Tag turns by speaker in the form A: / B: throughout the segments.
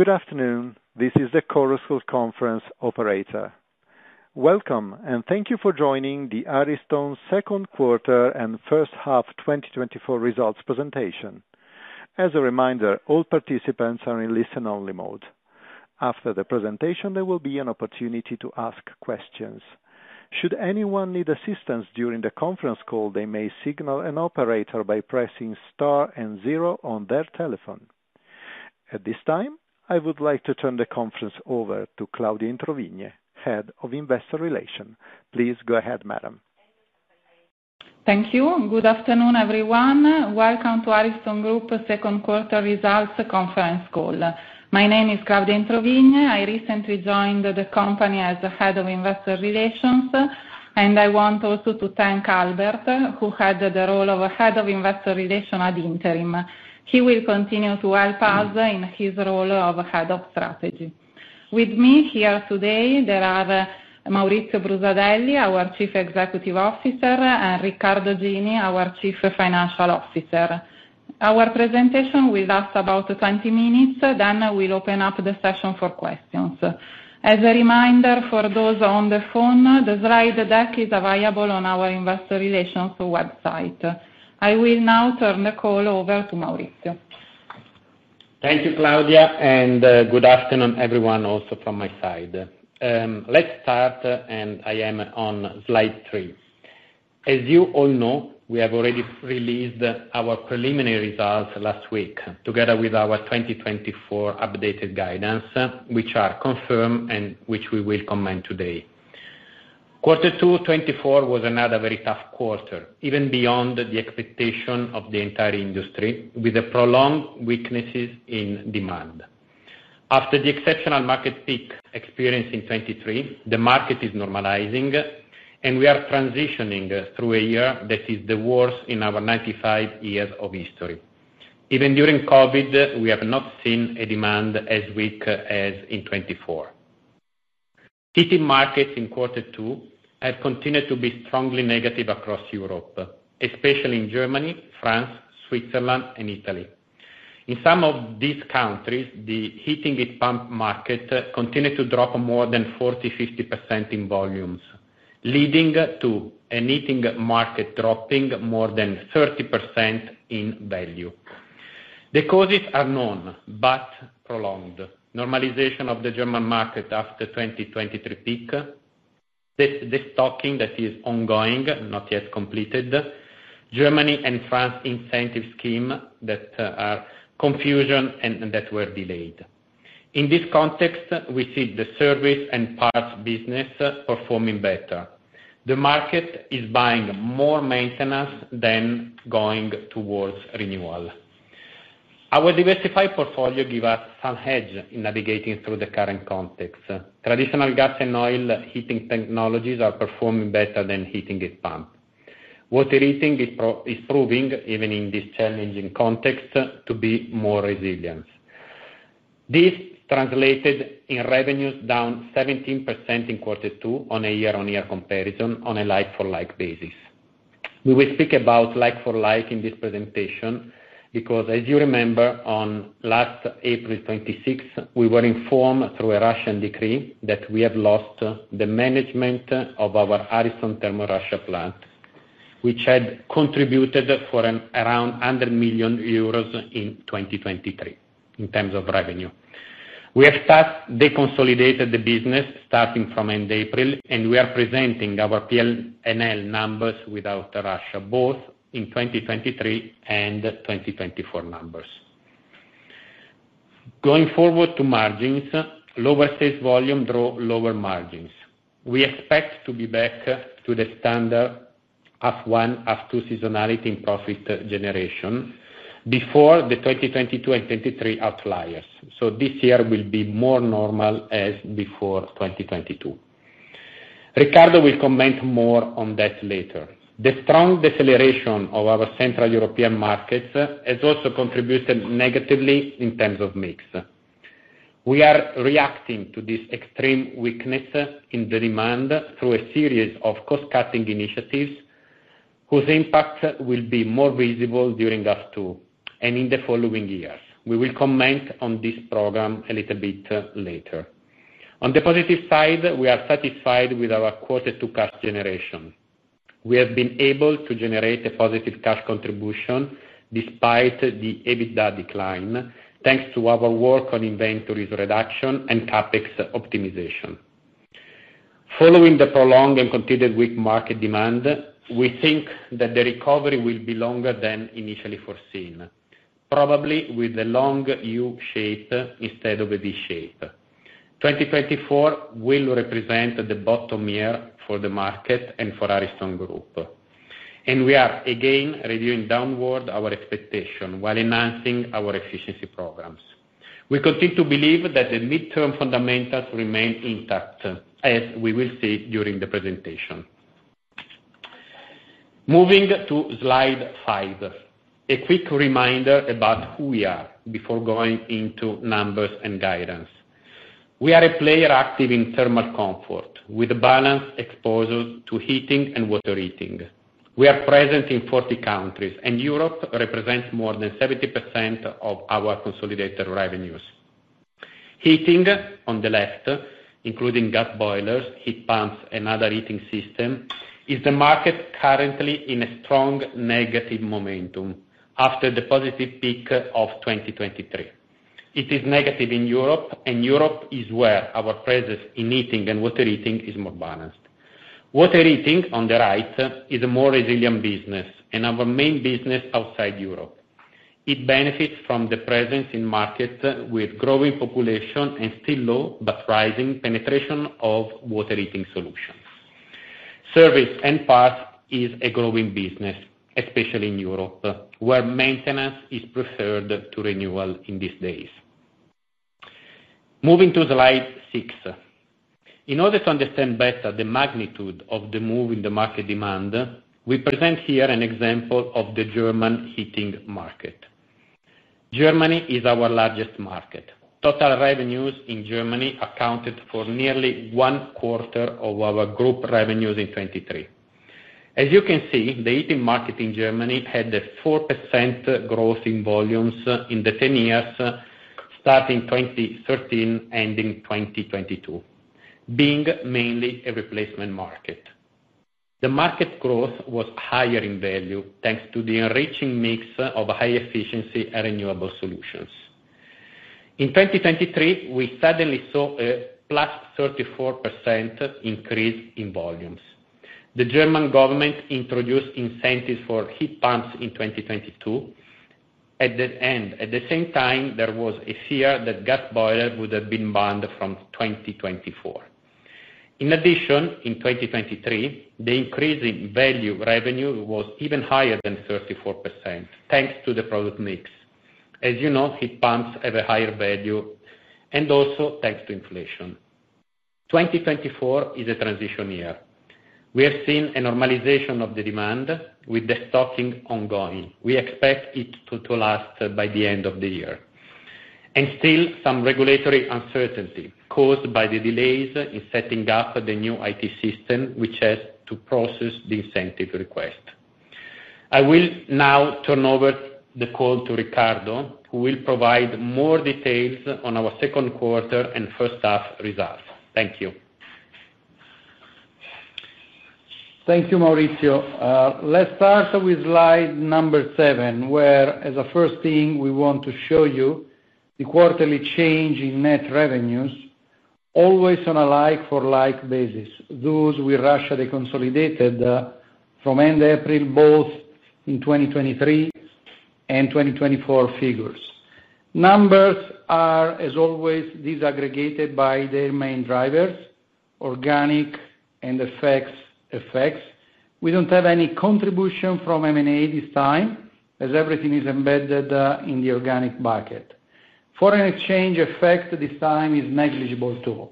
A: Good afternoon, this is the Chorus Call conference operator. Welcome and thank you for joining the Ariston Q2 and H1 2024 Results Presentation. As a reminder, all participants are in listen-only mode. After the presentation, there will be an opportunity to ask questions. Should anyone need assistance during the conference call, they may signal an operator by pressing star one on their telephone. At this time, I would like to turn the conference over to Claudia Introvigne, Head of Investor Relations. Please go ahead, madam.
B: Thank you. Good afternoon everyone. Welcome to Ariston Group Q2 Results Conference Call. My name is Claudia Introvigne. I recently joined the company as the head of investor relations and I want also to thank Albert who had the role of head of Investor Relations at interim. He will continue to help us in his role of head of strategy. With me here today there are Maurizio Brusadelli, our Chief Executive Officer and Riccardo Gini, our Chief Financial Officer. Our presentation will last about 20 minutes then we'll open up the session for questions. As a reminder for those on the phone, the slide deck is available on our investor relations website. I will now turn the call over to Maurizio.
C: Thank you, Claudia, and good afternoon, everyone. Also from my side, let's start, and I am on slide 3. As you all know, we have already released our preliminary results last week together with our 2024 updated guidance, which are confirmed and which we will comment today. Q2 2024 was another very tough quarter, even beyond the expectation of the entire industry, with the prolonged weaknesses in demand after the exceptional market peak experienced in 2023. The market is normalizing, and we are transitioning through a year that is the worst in our 95 years of history. Even during COVID, we have not seen a demand as weak as in 2024. Heating markets in quarter 2 have continued to be strongly negative across Europe, especially in Germany, France, Switzerland, and Italy. In some of these countries, the heat pump market continued to drop more than 40%-50% in volumes, leading to a heating market dropping more than 30% in value. The causes are known, but prolonged normalization of the German market after the 2023 peak, the stocking that is ongoing, not yet completed. Germany and France incentive schemes that are confusing and that were delayed. In this context, we see the service and parts business performing better. The market is buying more maintenance than going towards renewal. Our diversified portfolio give us some hedge in navigating through the current context. Traditional gas and oil heating technologies are performing better than heat pumps. Water Heating is proving even in this challenging context to be more resilient. This translated in revenues down 17% in Q2 on a year-over-year comparison on a like-for-like basis. We will speak about like for like in this presentation because as you remember on last 26 April we were informed through a Russian decree that we had lost the management of our Ariston Thermo Russia plant which had contributed for around 100 million euros in 2023. In terms of revenue, we have deconsolidated the business starting from end April and we are presenting our P&L numbers without Russia both in 2023 and 2024 numbers going forward to margins lower sales volume draw lower margins. We expect to be back to the standard H1, H2 seasonality in profit generation before the 2022 and 2023 outliers. So this year will be more normal as before 2022. Riccardo will comment more on that later. The strong deceleration of our Central European markets has also contributed negatively in terms of mix. We are reacting to this extreme weakness in the demand through a series of cost cutting initiatives whose impact will be more visible during H2 and in the following years. We will comment on this program a little bit later. On the positive side, we are satisfied with our quarter to cash generation. We have been able to generate a positive cash contribution despite the EBITDA decline thanks to our work on inventories reduction and CapEx optimization. Following the prolonged and continued weak market demand, we think that the recovery will be longer than initially foreseen, probably with a long U-shape instead of a V-shape. 2024 will represent the bottom year for the market and for Ariston Group and we are again reviewing downward our expectation while enhancing our efficiency programs. We continue to believe that the midterm fundamentals remain intact, as we will see during the presentation. Moving to slide 5, a quick reminder about who we are before going into numbers and guidance. We are a player active in thermal comfort with balanced exposure to heating and Water Heating. We are present in 40 countries and Europe represents more than 70% of our consolidated revenues. Heating on the left, including gas boilers, heat pumps and other heating system is the market currently in a strong negative momentum after the positive peak of 2023. It is negative in Europe and Europe is where our presence in Heating and Water Heating is more balanced. Water Heating on the right is a more resilient business and our main business outside Europe. It benefits from the presence in market with growing population and still low but rising penetration of Water Heating solutions. Service and parts is a growing business, especially in Europe where maintenance is preferred to renewal in these days, moving to slide 6. In order to understand better the magnitude of the move in the market demand, we present here an example of the German heating market. Germany is our largest market. Total revenues in Germany accounted for nearly one quarter of our group revenues in 2023. As you can see, the heating market in Germany had a 4% growth in volumes in the 10 years starting 2013 ending 2022. Being mainly a replacement market, the market growth was higher in value thanks to the enriching mix of high efficiency and renewable solutions. In 2023, we suddenly saw a 34% increase in volumes. The German government introduced incentives for heat pumps in 2023. At the same time, there was a fear that gas boiler would have been banned from 2024. In addition, in 2023 the increase in value revenue was even higher than 34% thanks to the product mix. As you know, heat pumps have a higher value and also thanks to inflation. 2024 is a transition year. We have seen a normalization of the demand with destocking ongoing. We expect it to last of the year and still some regulatory uncertainty caused by the delays in setting up the new IT system which has to process the incentive request. I will now turn over the call to Riccardo who will provide more details on our Q2 and H1 results. Thank you.
D: Thank you, Maurizio. Let's start with slide number 7 where as a first thing we want to show you the quarterly change in net revenues, always on a like-for-like basis. Those we rationally consolidated from end April both in 2023 and 2024 figures numbers are as always disaggregated by their main drivers organic and FX effects. We don't have any contribution from M&A this time as everything is embedded in the organic bucket. Foreign exchange effect this time is negligible too.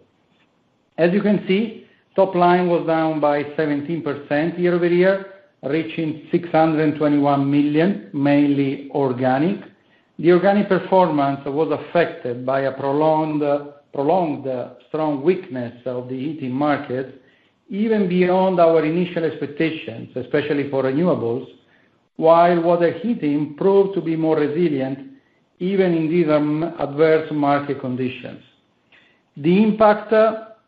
D: As you can see, top line was down by 17% year-over-year reaching 621 million, mainly organic. The organic performance was affected by a prolonged strong weakness of the heating market even beyond our initial expectations, especially for renewables. While Water Heating proved to be more resilient even in these adverse market conditions, the impact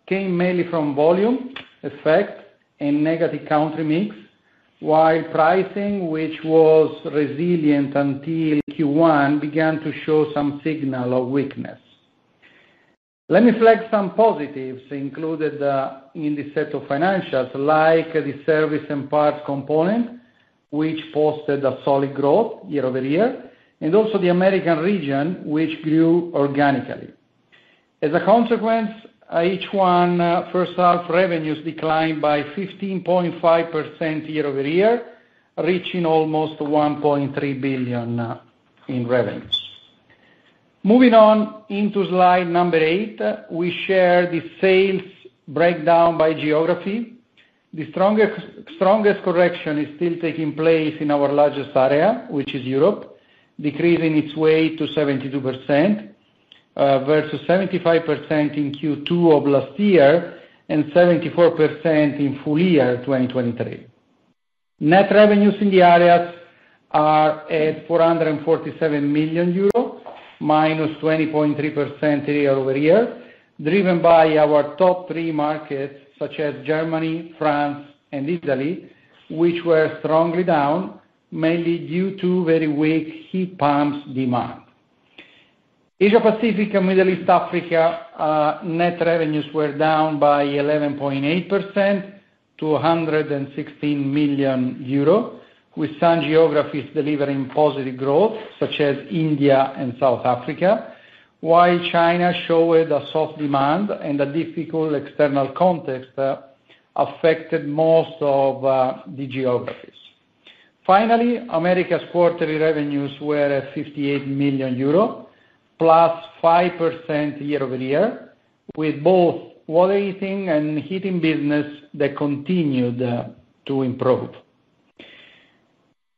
D: came mainly from volume effect and negative country mix while pricing which was resilient until Q1 began to show some signal of weakness. Let me flag some positives included in the set of financials like the service and parts component and which posted a solid growth year-over-year and also the American region which grew organically. As a consequence, H1 revenues declined by 15.5% year-over-year, reaching almost 1.3 billion in revenues. Moving on into slide number 8, we share the sales breakdown by geography. The strongest correction is still taking place in our largest area which is Europe decreasing its way to 72% versus 75% in Q2 of last year and 74% in full year 2023. Net revenues in the areas are at 447 million euro -20.3% year-over-year, driven by our top three markets such as Germany, France and Italy which were strongly down mainly due to very weak heat pumps demand. Asia Pacific and Middle East Africa net revenues were down by 11.8% to 116 million euro with some geographies delivering positive growth such as India and South Africa, while China showed a soft demand and a difficult external context affected most of the geographies. Finally, America's quarterly revenues were 58 million euro +5% year-over-year with both Water Heating and Heating Business that continued to improve.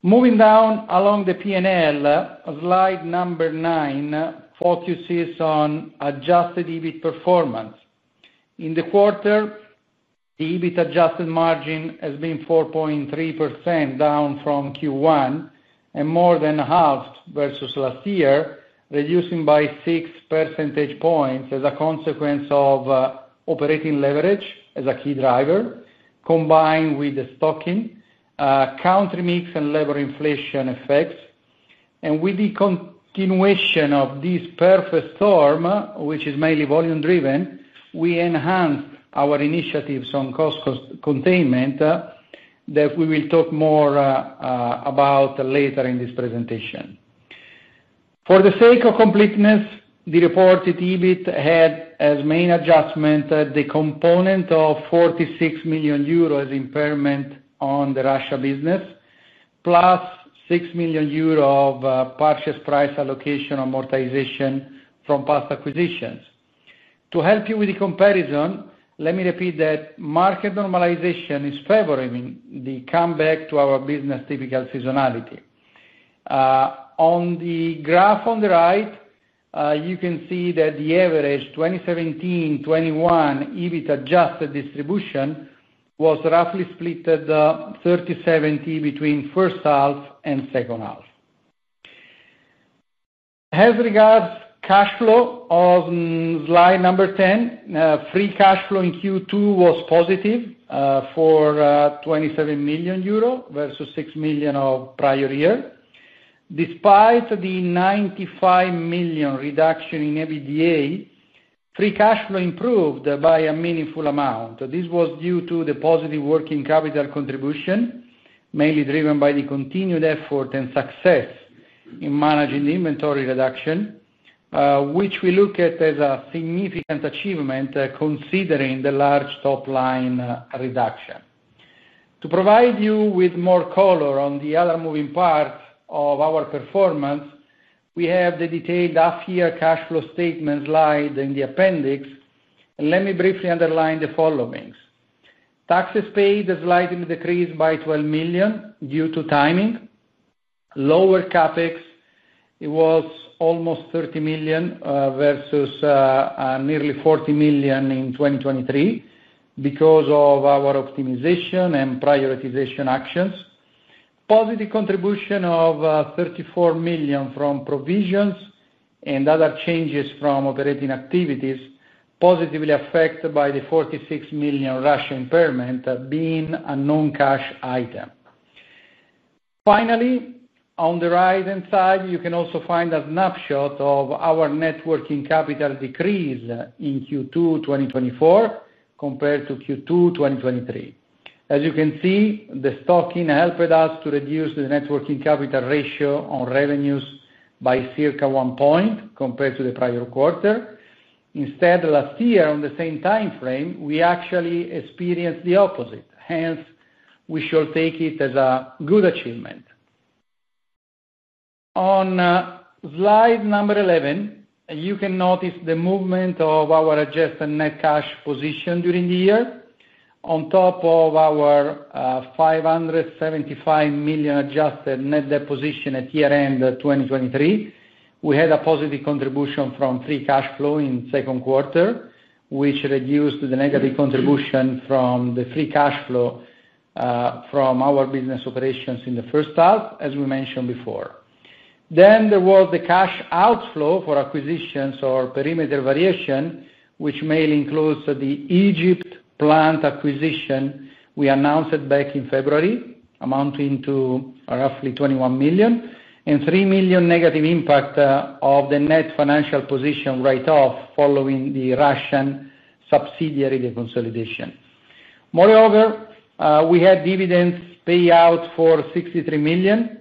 D: Moving down along the P&L, slide number 9 focuses on adjusted EBIT performance in the quarter. The EBIT adjusted margin has been 4.3% down from Q1 and more than halved versus last year, reducing by 6 percentage points as a consequence of operating leverage as a key driver. Combined with the stocking counter mix and labor inflation effects and with the continuation of this perfect storm which is mainly volume driven, we enhanced our initiatives on cost containment that we will talk more about later in this presentation. For the sake of completeness, the reported EBIT had as main adjustment the component of 46 million euros impairment on the Russia business plus 6 million euros of purchase price allocation amortization from past acquisitions. To help you with the comparison, let me repeat that market normalization is favoring the comeback to our business typical seasonality. On the graph on the right you can see that the average 2017-21 EBIT adjusted distribution was roughly split at 30/70 between H1 and H2. As regards cash flow on slide 10, free cash flow in Q2 was positive for 27 million euro versus 6 million of prior year. Despite the 95 million reduction in EBITDA, free cash flow improved by a meaningful amount. This was due to the positive working capital contribution mainly driven by the continued effort and success in managing the inventory reduction which we look at as a significant achievement considering the large top line reduction. To provide you with more color on the other moving part of our performance, we have the detailed half year cash flow statement slide in the appendix. Let me briefly underline the following. Taxes paid slightly decreased by 12 million due to timing, lower CapEx. It was almost 30 million versus nearly 40 million in 2023 because of our optimization and prioritization actions. Positive contribution of 34 million from provisions and other changes from operating activities positively affected by the 46 million Russia impairment being a non-cash item. Finally, on the right hand side you can also find a snapshot of our net working capital decrease in Q2 2024 compared to Q2 2023. As you can see the stocking helped us to reduce the net working capital ratio on revenues by circa 1 point compared to the prior quarter. Instead, last year on the same time frame we actually experienced the opposite. Hence we shall take it as a good achievement. On slide number 11 you can notice the movement of our adjusted net cash position during the year. On top of our 575 million adjusted net position at year-end 2023, we had a positive contribution from free cash flow in the Q2, which reduced the negative contribution from the free cash flow from our business operations in the H1, as we mentioned before. Then there was the cash outflow for acquisitions or perimeter variation, which mainly includes the Egypt plant acquisition we announced back in February, amounting to roughly 21 million and 3 million negative impact of the net financial position write-off following the Russian subsidiary deconsolidation. Moreover, we had a dividend payout for 63 million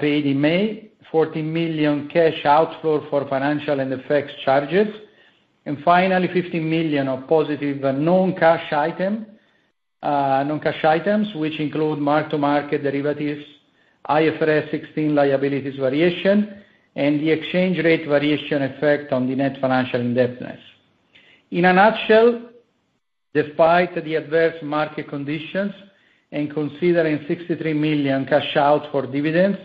D: paid in May, 14 million cash outflow for financial and FX charges, and finally 15 million of positive non-cash items, which include mark-to-market derivatives, IFRS 16 liabilities variation, and the exchange rate variation effect on the net financial indebtedness. In a nutshell, despite the adverse market conditions and considering 63 million cash out for dividends,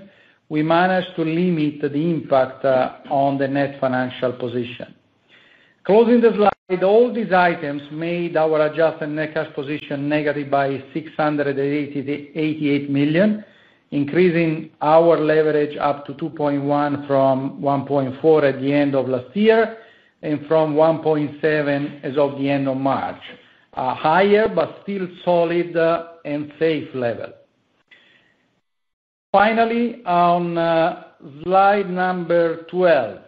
D: we managed to limit the impact on the net financial position closing the year. All these items made our adjusted net cash position negative by 688 million, increasing our leverage up to 2.1 from 1.4 at the end of last year and from 1.7 as of the end of March. Higher but still solid and safe level. Finally on slide 12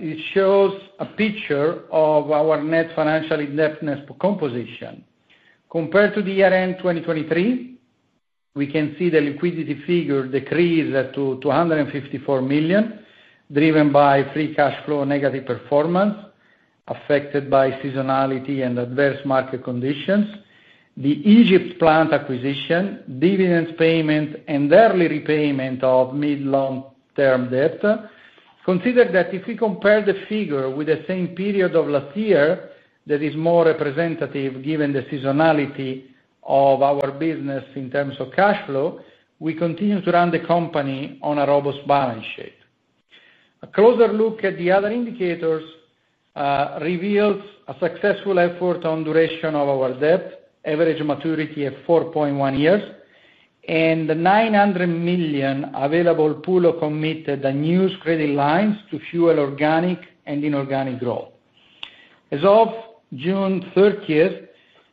D: it shows a picture of our net financial indebtedness composition compared to the year-end 2023. We can see the liquidity figure decrease to 254 million driven by free cash flow, negative performance affected by seasonality and adverse market conditions, the Egypt plant acquisition, dividend payment, and early repayment of mid-long-term debt. Consider that if we compare the figure with the same period of last year that is more representative given the seasonality of our business in terms of cash flow, we continue to run the company on a robust balance sheet. A closer look at the other indicators reveals a successful effort on duration of our debt, average maturity of 4.1 years and the 900 million available pool of committed and used credit lines to fuel organic and inorganic growth. As of June 30,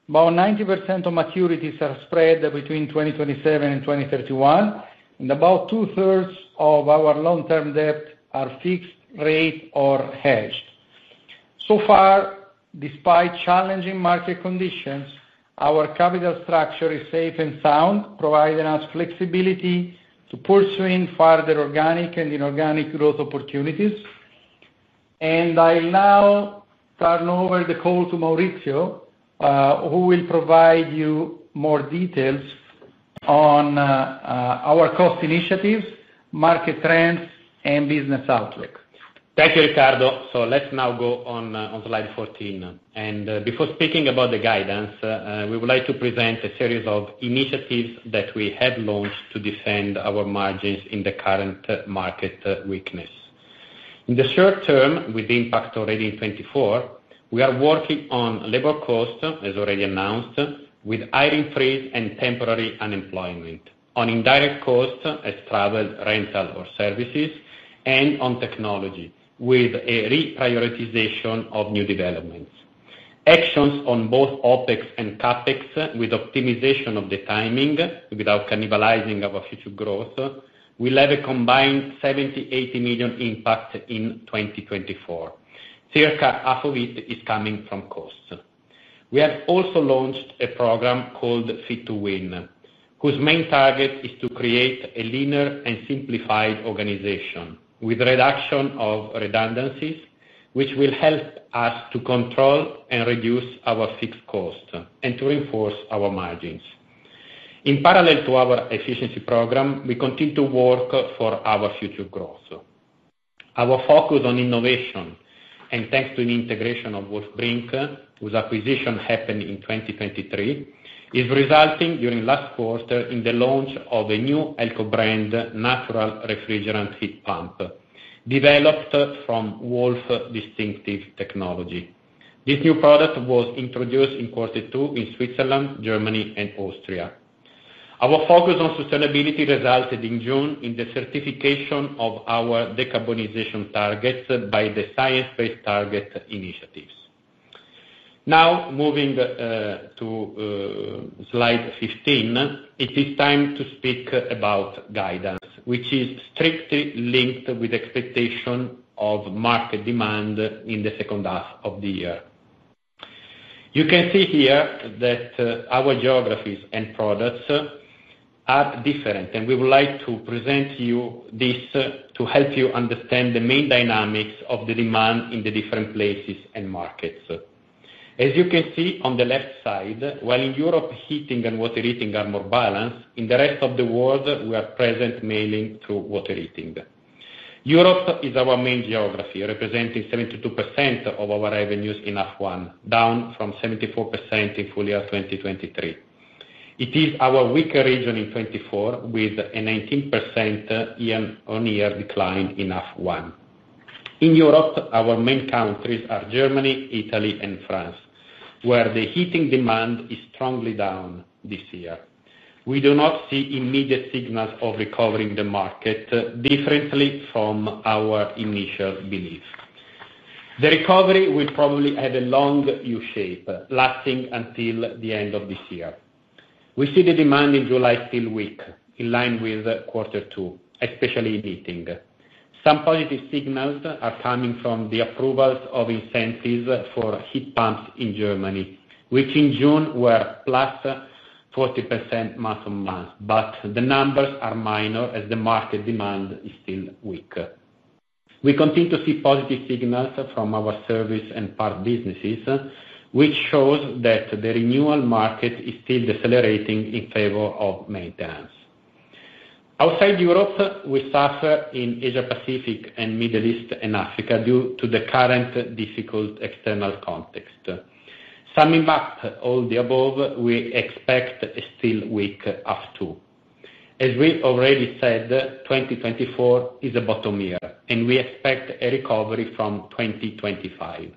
D: about 90% of maturities are spread between 2027 and 2031 and about 2/3 of our long term debt are fixed rate or hedged. So far, despite challenging market conditions, our capital structure is safe and sound, providing us flexibility to pursuing further organic and inorganic growth opportunities. I now turn over the call to Maurizio who will provide you more details on our cost initiatives, market trends and business outlook.
C: Thank you, Riccardo. So let's now go on slide 14 and before speaking about the guidance, we would like to present a series of initiatives that we have launched to defend our margins in the current market weakness in the short term with the impact already in 2024. We are working on labor cost as already announced with hiring freeze and temporary unemployment, on indirect costs as travel, rental or services and on technology with a reprioritization of new developments. Actions on both OpEx and CapEx with optimization of the timing without cannibalizing of a future growth will have a combined 70-80 million impact in 2024. Circa half of it is coming from cost. We have also launched a program called Fit-2-Win whose main target is to create a leaner and simplified organization with reduction of redundancies which will help us to control and reduce our fixed cost and to reinforce our margins. In parallel to our efficiency program, we continue to work for our future growth. Our focus on innovation and thanks to an integration of Wolf, Brink whose acquisition happened in 2023 is resulting during last quarter in the launch of a new Elco brand natural refrigerant heat pump developed from Wolf distinctive technology. This new product was introduced in Q2 in Switzerland, Germany and Austria. Our focus on sustainability resulted in June in the certification of our decarbonization targets by the Science Based Targets initiative. Now moving to slide 15, it is time to speak about guidance which is strictly linked with expectations of market demand in the H2 of the year. You can see here that our geographies and products are different and we would like to present you this to help you understand the main dynamics of the demand in the different places and markets. As you can see on the left side, while in Europe Heating and Water Heating are more balanced, in the rest of the world we are present mainly through Water Heating. Europe is our main geography representing 72% of our revenues in H1 down from 74% in full year 2023. It is our weaker region in 2024 with a 19% year-on-year decline in H1. In Europe our main countries are Germany, Italy and France where the heating demand is strongly down this year. We do not see immediate signals of recovery in the market differently from our initial belief. The recovery will probably have a long U-shape lasting until the end of this year. We see the demand in July still weak in line with Q2, especially in heating. Some positive signals are coming from the approvals of incentives for heat pumps in Germany, which in June were +40% month-on-month. But the numbers are minor as the market demand is still weak. We continue to see positive signals from our service and part businesses which shows that the renewal market is still decelerating in favor of maintenance outside Europe. We suffer in Asia Pacific and Middle East in Africa due to the current difficult extreme external context. Summing up all the above, we expect a still weak H2. As we already said, 2024 is a bottom year and we expect a recovery from 2025.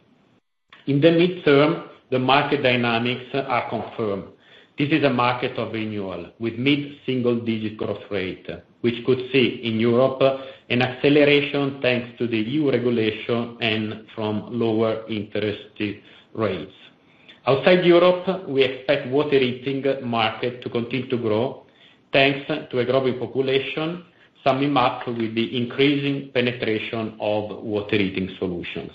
C: In the mid-term, the market dynamics are confirmed. This is a market of renewal with mid single-digit growth rate which could see in Europe an acceleration thanks to the EU regulation and from lower interest rates outside Europe we expect Water Heating market to continue to grow thanks to a growing population. Summing up with the increasing penetration of Water Heating solutions.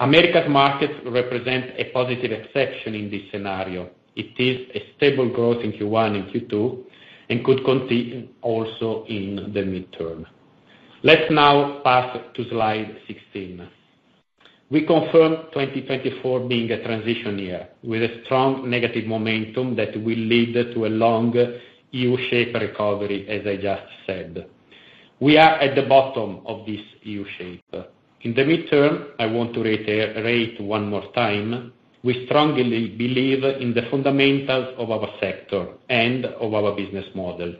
C: Americas markets represent a positive exception in this scenario. It is a stable growth in Q1 and Q2 and could continue also in the mid-term. Let's now pass to slide 16. We confirm 2024 being a transition year with a strong negative momentum that will lead to a long U-shaped recovery. As I just said, we are at the bottom of this U-shape in the mid-term. I want to reiterate one more time. We strongly believe in the fundamentals of our sector and of our business model.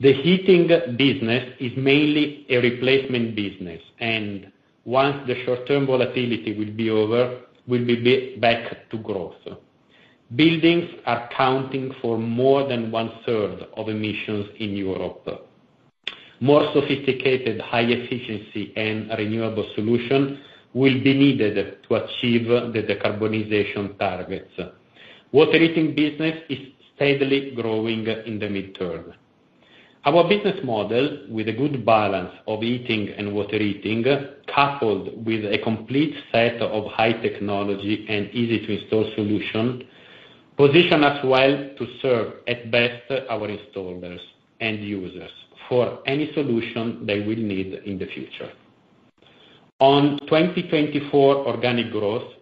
C: The heating business is mainly a replacement business and once the short-term volatility will be over, we'll be back to growth. Buildings are counting for more than one-third of emissions in Europe. More sophisticated high-efficiency and renewable solution will be needed to achieve the decarbonization targets. Water Heating business is steadily growing in the mid-term. Our business model with a good balance of heating and Water Heating coupled with a complete set of high technology and easy to install solution position us well to serve at best our installers and users for any solution they will need in the future in 2024. Organic growth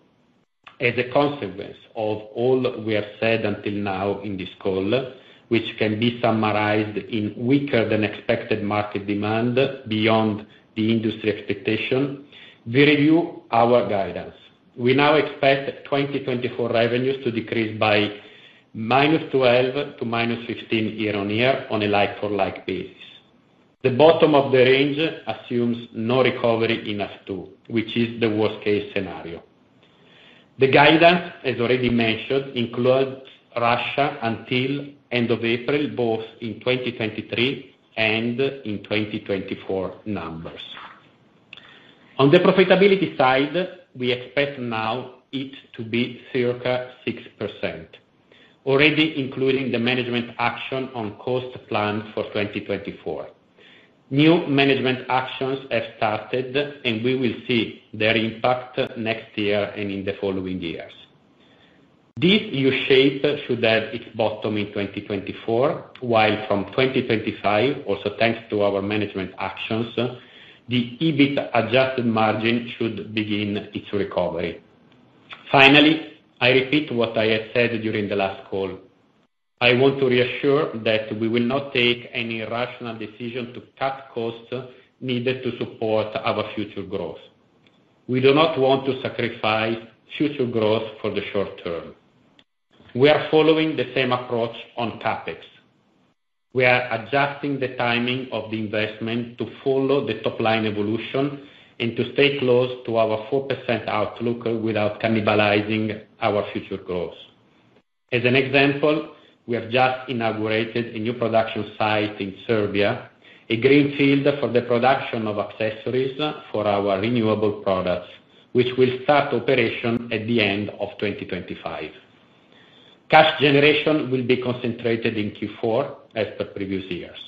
C: as a consequence of all we have said until now in this call, which can be summarized in weaker than expected market demand beyond the industry expectation. We review our guidance. We now expect 2024 revenues to decrease by -12% to -15% year-on-year on a like-for-like basis. The bottom of the range assumes no recovery in as to which is the worst case scenario. The guidance, as already mentioned, includes Russia until end of April both in 2023 and in 2024 numbers. On the profitability side, we expect now it to be circa 6% already including the management action on cost plan for 2024. New management actions have started and we will see their impact next year and in the following years. This U-shape should have its bottom in 2024 while from 2025, also thanks to our management actions, the adjusted EBIT margin should begin its recovery. Finally, I repeat what I had said during the last call. I want to reassure that we will not take any rational decision to cut costs needed to support our future growth. We do not want to sacrifice future growth for the short term. We are following the same approach on CapEx. We are adjusting the timing of the investment to follow the top line evolution and to stay close to our 4% outlook without cannibalizing our future growth. As an example, we have just inaugurated a new production site in Serbia, a greenfield for the production of accessories for our renewable products which will start operation at the end of 2025. Cash generation will be concentrated in Q4 as per previous years.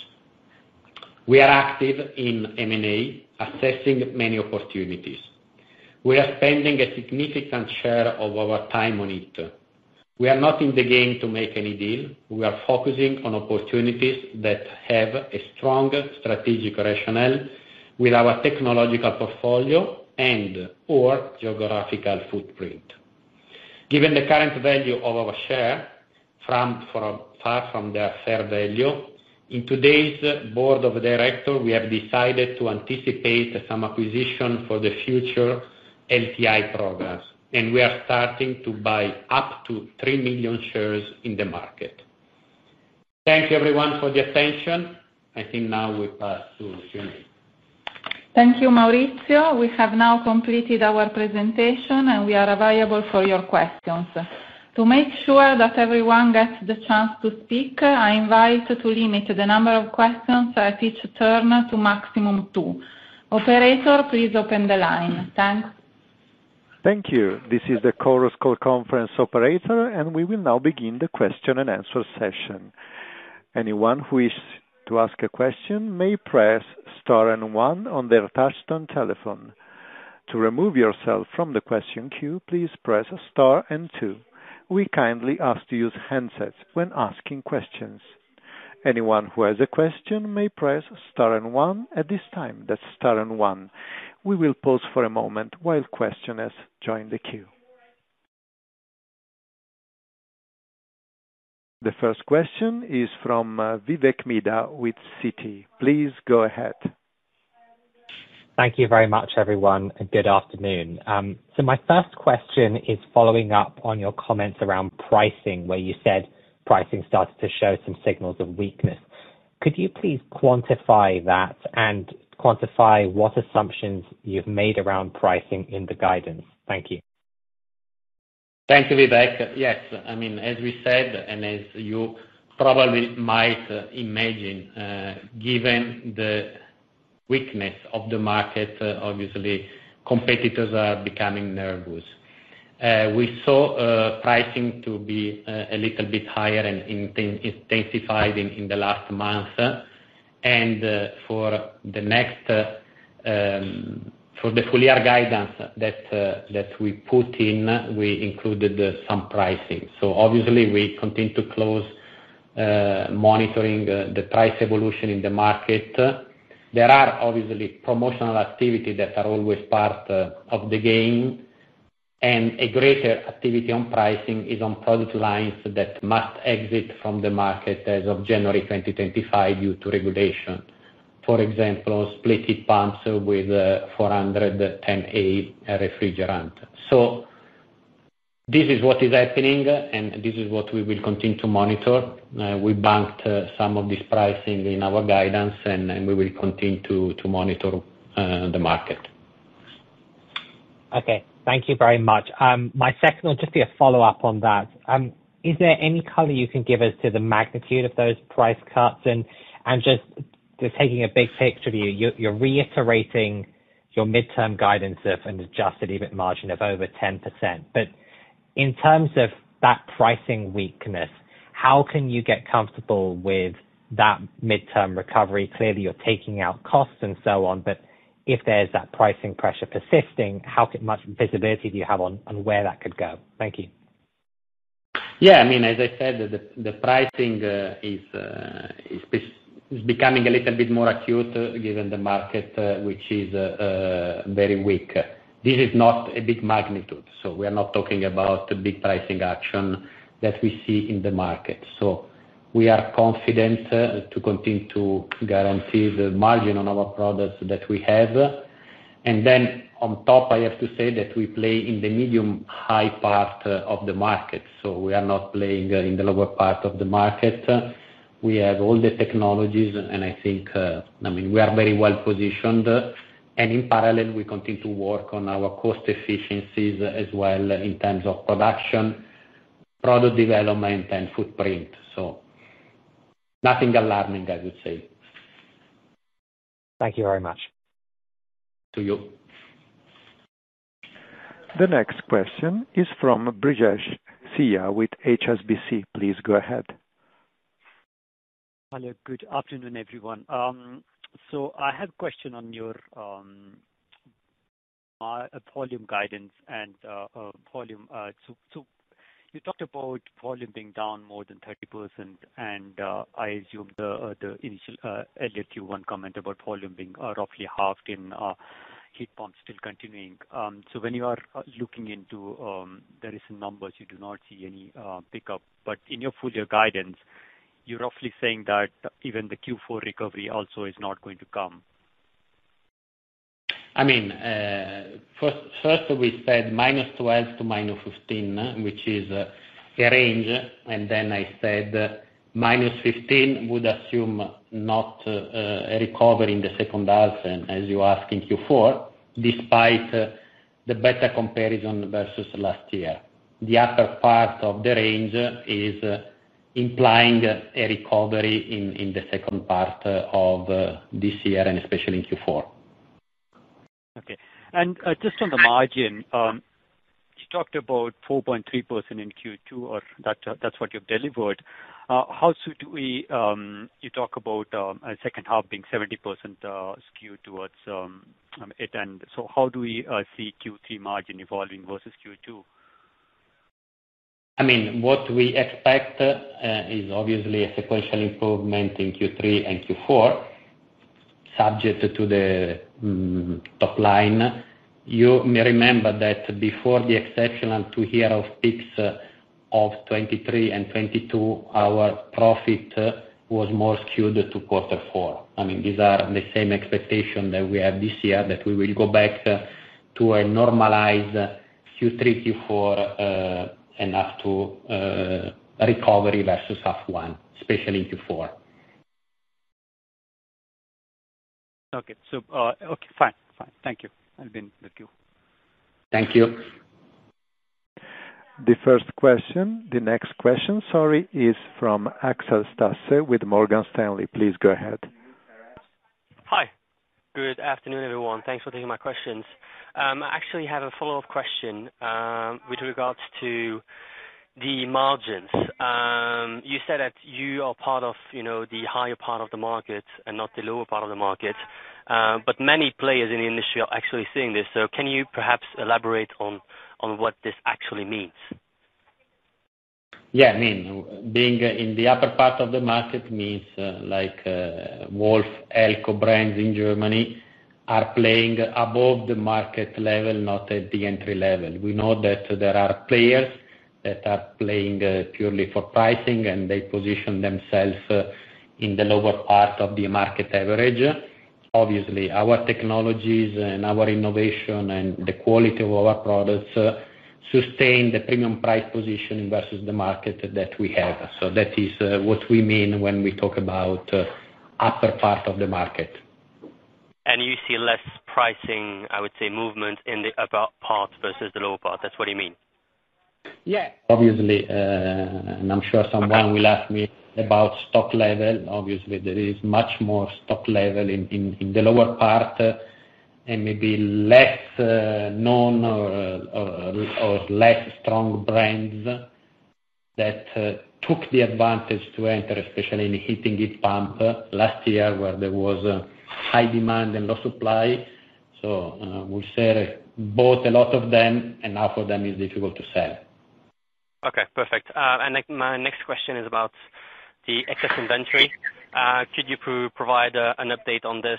C: We are active in M&A, assessing many opportunities. We are spending a significant share of our time on it. We are not in the game to make any deal. We are focusing on opportunities that have a strong strategic rationale with our technological portfolio and or geographical footprint. Given the current value of our share, far from their fair value in today's Board of Directors, we have decided to anticipate some acquisition for the future LTI programs and we are starting to buy up to 3 million shares in the market. Thank you everyone for the attention. I think now we pass to Q&A.
B: Thank you Maurizio. We have now completed our presentation and we are available for your questions. To make sure that everyone gets the chance to speak, I invite to limit the number of questions at each turn to maximum 2. Operator, please open the line. Thanks.
A: Thank you. This is the Chorus Call conference operator, and we will now begin the question-and-answer session. Anyone who wishes to ask a question may press *1 on their touch-tone telephone. To remove yourself from the question queue, please press *2. We kindly ask to use handsets when asking questions. Anyone who has a question may press *1 at this time. Star one. We will pause for a moment while questioners join the queue. The first question is from Vivek Midha with Citi. Please go ahead.
E: Thank you very much everyone and good afternoon. My first question is following up on your comments around pricing where you said pricing started to show some signals of weakness. Could you please quantify that and quantify what assumptions you've made around pricing in the guidance?
C: Thank you, Vivek. Yes, I mean, as we said and as you probably might imagine, given the weakness of the market, obviously competitors are becoming nervous. We saw pricing to be a little bit higher and intensified in the last month and for the next, for the full year guidance that we put in, we included some pricing. So obviously we continue to closely monitor the price evolution in the market. There are obviously promotional activities that are always part of the game and a greater activity on pricing is on product lines that must exit from the market as of January 2020 due to regulation, for example, split pumps with 410A refrigerant. So this is what is happening and this is what we will continue to monitor. We banked some of this pricing in our guidance and we will continue to monitor the market.
E: Okay, thank you very much. My second, or just a follow up on that, is there any color you can give us to the magnitude of those price cuts? And I'm just taking a big picture to you. You're reiterating your mid-term guidance of an Adjusted EBIT margin of over 10%. But in terms of that pricing weakness, how can you get comfortable with that mid-term recovery? Clearly you're taking out costs and so on. But if there's that pricing pressure persisting, how much visibility do you have on where that could go? Thank you.
C: Yeah, I mean as I said, the pricing is becoming a little bit more acute given the market, which is very weak. This is not a big magnitude. So we are not talking about the big pricing action that we see in the market. So we are confident to continue to guarantee the margin on our products that we have. And then on top, I have to say that we play in the medium high part of the market, so we are not playing in the lower part of the market. We have all the technologies and I think, I mean we are very well positioned and in parallel we continue to work on our cost efficiencies as well in terms of production, product development and footprint. So nothing alarming, I would say.
E: Thank you very much to you.
A: The next question is from Brijesh Siya with HSBC. Please go ahead.
F: Hello. Good afternoon, everyone. So I have question on your volume guidance and volume. You talked about volume being down more than 30% and I assume the initial earlier Q1 comment about volume being roughly halved in heat pumps still continuing. So when you are looking into the recent numbers, you do not see any pickup. But in your full year guidance, you're roughly saying that even the Q4 recovery also is not going to come.
C: I mean, first we said -12% to -15%, which is, and then I said -15% would assume not a recovery in the H2 as you ask. In Q4, despite the better comparison versus last year, the upper part of the range is implying a recovery in the second part of this year and especially in Q4.
F: Okay, and just on the margin, you talked about 4.3% in Q2, or that's what you've delivered. How should we you talk about H2 being 70% skewed towards it? And so how do we see Q3 margin evolving versus Q2?
C: I mean, what we expect is obviously a sequential improvement in Q3 and Q4, subject to the top line. You may remember that before the exceptional two-year peaks of 2023 and 2022, our profit was more skewed to Q3. I mean, these are the same expectations that we have this year. That we will go back to a normalized Q3, Q4 and up to recovery versus H1, especially in Q4.
F: Okay, so. Okay, fine. Thank you. I'll be in the queue.
C: Thank you.
A: The first question, the next question, sorry, is from Axel Stasse with Morgan Stanley. Please go ahead.
G: Hi, good afternoon everyone. Thanks for taking my questions. I actually have a follow up question with regards to the margins. You said that you are part of the higher part of the market and not the lower part of the market. But many players in the industry are actually seeing this. So can you perhaps elaborate on what this actually means?
C: Yeah, I mean, being in the upper part of the market means like Wolf Elco brands in Germany are playing above the market level, not at the entry level. We know that there are players that are playing purely for pricing and they position themselves in the lower part of the market average. Obviously our technologies and our innovation and the quality of our products sustain the premium price position versus the market that we have. So that is what we mean when we talk about upper part of the market.
G: You see less pricing. I would say movement in the upper part versus the lower part. That's what you mean?
C: Yes, obviously. And I'm sure someone will ask me about stock level. Obviously there is much more stock level in the lower part and maybe less known or less strong brands that took the advantage to enter. Especially in heating heat pump last year where there was high demand and low supply. So we sell both a lot of them and half of them is difficult to sell.
G: Okay, perfect. My next question is about the excess inventory. Could you provide an update on this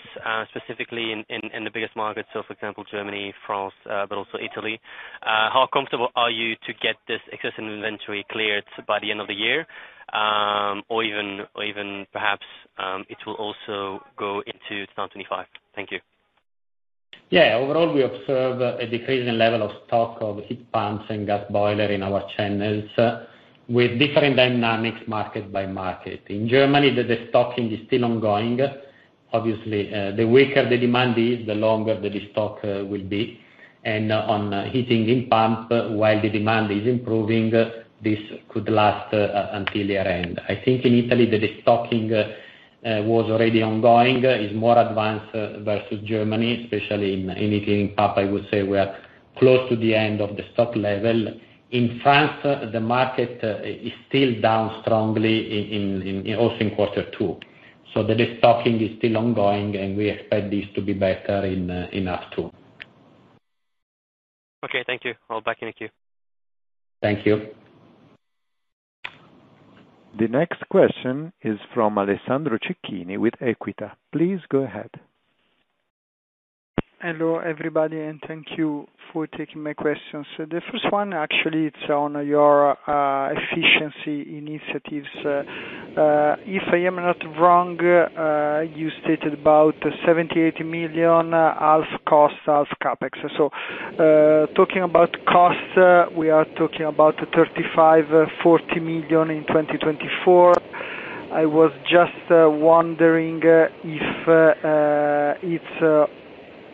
G: specifically in the biggest markets? So for example Germany, France, but also Italy, how comfortable are you to get this excess inventory cleared by the end of the year or even perhaps it will also go into 2025? Thank you.
C: Yes, overall we observe a decreasing level of stock of heat pumps and gas boilers in our channels with different dynamics, market by market. In Germany the stocking is still ongoing. Obviously the weaker the demand is, the longer the restock will be. And on heat pumps, while the demand is improving, this could last until year end. I think in Italy the destocking was already ongoing, is more advanced versus Germany, especially in Italian pipe. I would say we are close to the end of the stock level. In France the market is still down strongly also in quarter two. So the restocking is still ongoing and we expect this to be better in H2 too.
G: Okay, thank you all. Back in a queue.
C: Thank you.
A: The next question is from Alessandro Cecchini with Equita. Please go ahead.
H: Hello everybody and thank you for taking my questions. The first one, actually it's on your efficiency initiatives. If I am not wrong, you stated about 78 million half cost, half CapEx. So talking about cost, we are talking about 35 million-40 million in 2024. I was just wondering if it's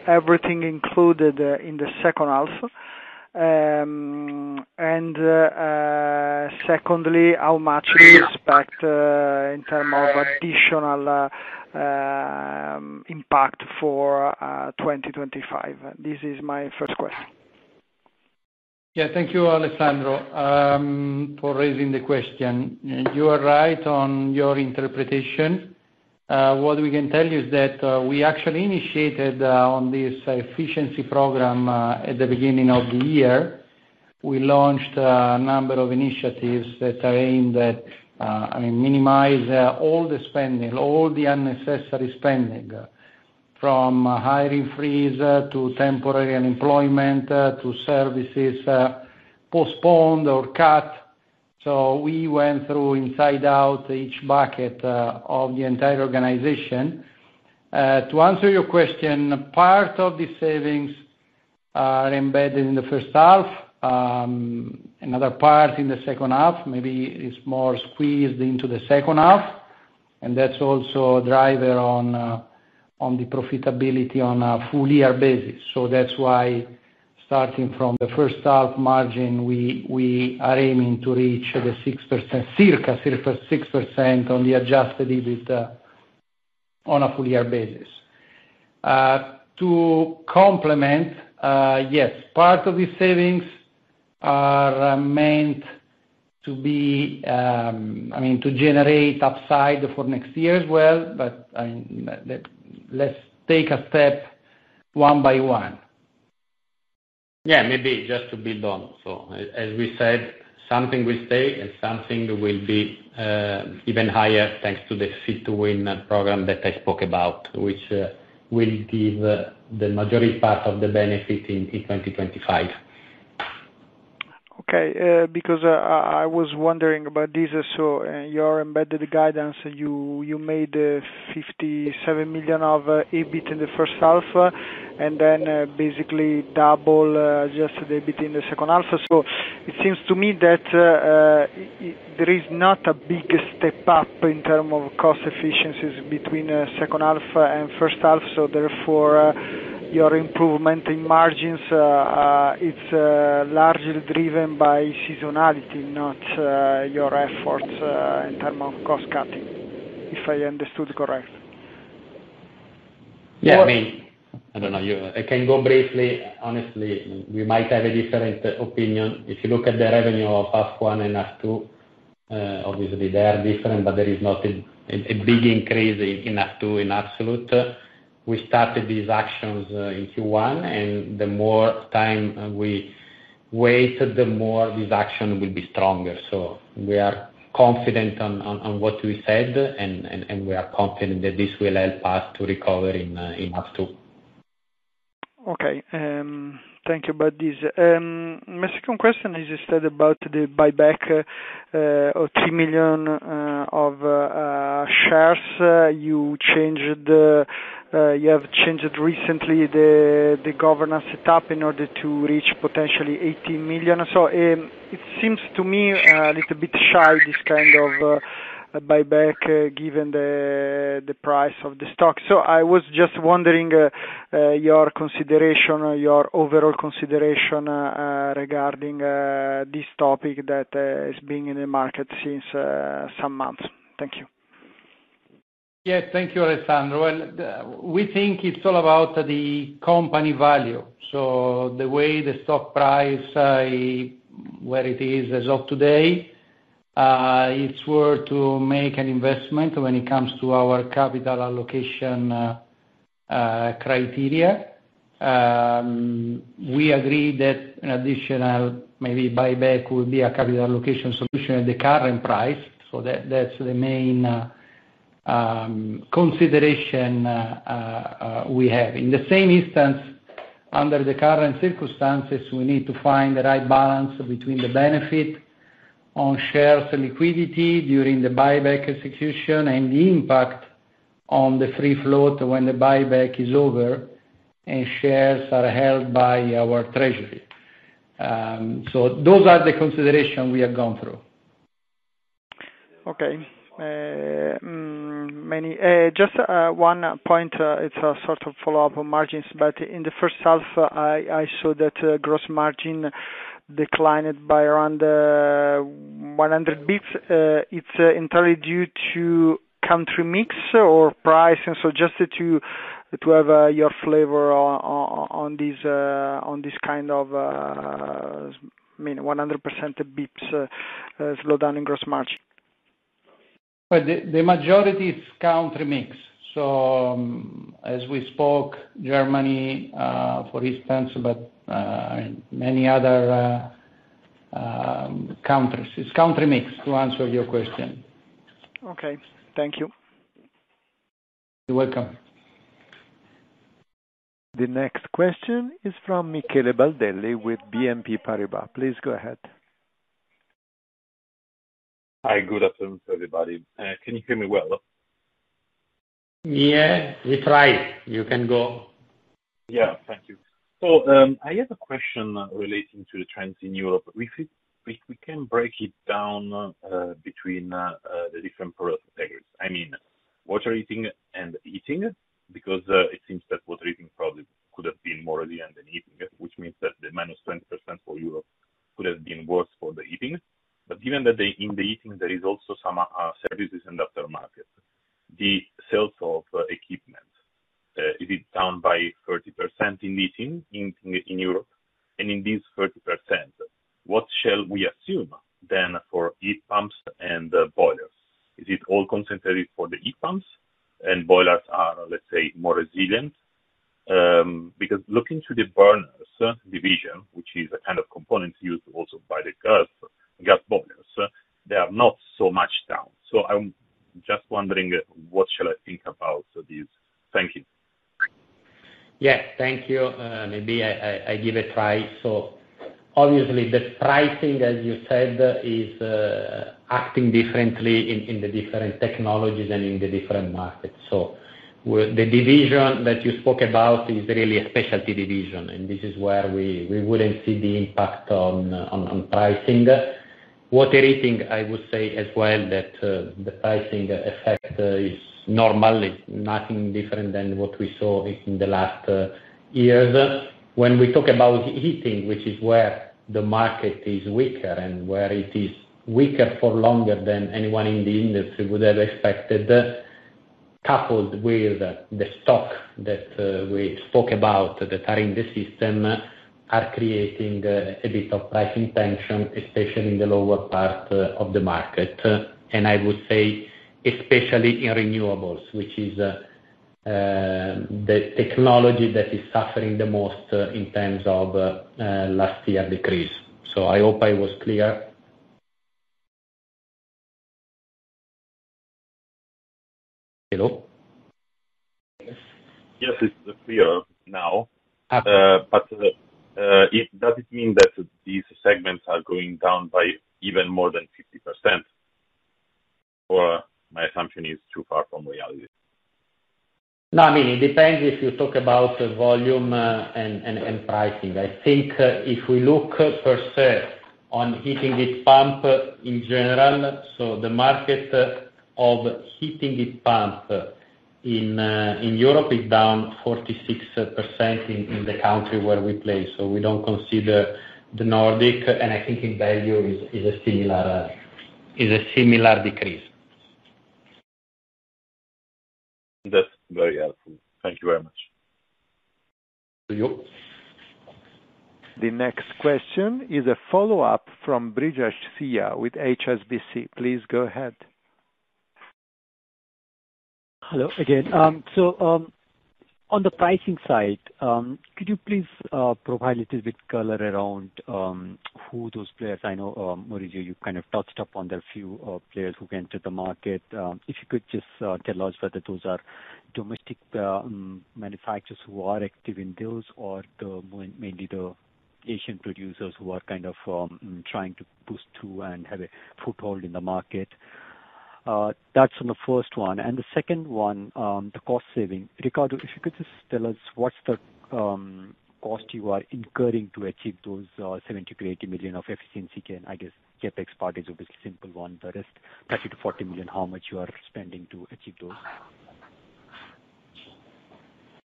H: everything included in the H2. And secondly, how much do you expect in terms of additional impact for 2025? This is my first question.
D: Yes, thank you, Alessandro, for raising the question. You are right on your interpretation. What we can tell you is that we actually initiated on this efficiency program at the beginning of the year. We launched a number of initiatives that are aimed at minimize all the spending, all the unnecessary spending, from hiring freeze to temporary unemployment, to services postponed or cut. So we went through inside out each bucket of the entire organization. To answer your question, part of the savings are embedded in the H1, another part in the H2. Maybe it's more squeezed into the H2. And that's also a driver on the profitability on a full year basis. So that's why, starting from the H1 margin, we are aiming to reach the 6% circa 6% on the Adjusted EBITDA on a full year basis to complement. Yes, part of these savings are meant to be. I mean to generate upside for next year as well. But let's take a step one by one.
C: Yes. Maybe just to build on. So as we said, something will stay and something will be even higher thanks to the Fit-2-Win program that I spoke about, which will give the majority part of the benefit in 2025.
H: Okay, because I was wondering about this. So your embedded guidance, you made 57 million of EBIT in the H1 and then basically double adjusted EBITDA in the H2. So it seems to me that there is not a big step up in terms of cost efficiencies between H2 and H1. So therefore your improvement in margins, it's largely driven by seasonality, not your efforts in terms of cost cutting, if I understood correct.
C: Yeah, I don't know. I can go briefly. Honestly, we might have a different opinion. If you look at the revenue of H1 and H2, obviously they are different, but there is not a big increase enough to in absolute. We started these actions in Q1 and the more time we waited, the more this action will be stronger. So we are confident on what we said and we are confident that this will help us to recover in H2 too.
H: Okay, thank you. About this. My second question is you said about the buyback of 3 million of shares. You changed, you have changed recently the governance set up in order to reach potentially 18 million. So it seems to me a little bit shy this kind of buyback given the price of the stock. So I was just wondering your consideration, your overall consideration regarding this topic that has been in the market since some months. Thank you.
D: Yeah, thank you, Alessandro. We think it's all about the company value. So the way the stock price where it is as of today, it's worth to make an investment when it comes to our capital allocation criteria. We agree that an additional maybe buyback will be a capital allocation solution at the current price. So that's the main consideration we have. In the same instance under the current circumstances, we need to find the right balance between the benefit on shares and liquidity during the buyback execution and the impact on the free float when the buyback is over and shares are held by our treasury. So those are the considerations we have gone through.
H: Okay, many, just one point. It's a sort of follow-up on margins. In the H1, I saw that gross margin declined by around 100 basis points. It's entirely due to country mix or price. Just to have your flavor on this kind of 100 basis points slowdown in gross margin.
D: The majority is country mix. So, as we spoke, Germany for instance, but many other countries, it's country mix, to answer your question.
H: Okay, thank you.
D: You're welcome.
A: The next question is from Michele Baldelli with BNP Paribas, please go ahead.
I: Hi, good afternoon to everybody. Can you hear me well?
C: Yeah, we try. You can go.
I: Yeah, thank you. So I have a question relating to the trends in Europe. If we can break it down between the different product categories, I mean Water Heating and Heating, because it seems that Water Heating probably could have been more than heating, which means that the -20% for Europe could have been worse for the heating. But given that in the heating there is also some services in the aftermarket, the sales of equipment, is it down by 30% in this, in Europe and in these 30%, what shall we assume then for heat pumps and boilers? Is it all concentrated for the heat pumps and boilers are, let's say more resilient because looking to the Burners service division, which is a kind of component used also by the gas boilers, they. Are not so much down. I'm just wondering what shall I think about this? Thank you.
C: Yes, thank you. Maybe I'll give it a try. So obviously the pricing, as you said, is acting differently in the different technologies and in the different markets. So the division that you spoke about is really a specialty division. And this is where we wouldn't see the impact on pricing in the heating. I would say as well that the pricing effect is normal. Nothing different than what we saw in the last year when we talk about heating, which is where the market is weaker and where it is weaker for longer than anyone in the industry would have expected, coupled with the stock that we spoke about that are in the system, are creating a bit of pricing tension, especially in the lower part of the market. I would say especially in renewables, which is the technology that is suffering the most in terms of last year decrease. I hope I was clear. Hello?
I: Yes, it's clear now, but does it mean that these segments are going down by even more than 50% or my assumption is too far from reality?
C: No, I mean, it depends if you talk about volume and pricing. I think if we look per se on heating, heat pump in general, so the market of heating heat pump in Europe is down 46% in the countries where we play. So we don't consider the Nordics and I think in value is a similar decrease.
I: That's very helpful. Thank you very much.
A: The next question is a follow-up from Brijesh Siya with HSBC. Please go ahead.
F: Hello again. So on the pricing side, could you please provide a little bit color around who those players? I know Maurizio, you kind of touched upon, there are few players who entered the market. If you could just tell us whether those are domestic manufacturers who are active in those or maybe the Asian producers who are kind of trying to boost to and have a foothold in the market. That's on the first one and the second one, the cost saving. Riccardo, if you could just tell us what's the cost you are incurring to achieve those 70 million-80 million of efficiency and I guess CapEx part is obviously simple one, the rest 30 million-40 million. How much you are spending to achieve those?